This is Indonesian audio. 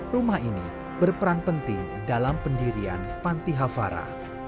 rumah ini berperan penting dalam pendirian panti hafara